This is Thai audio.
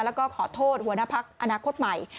แล้วก็ขอโทษหัวหน้าพักอนาคตใหม่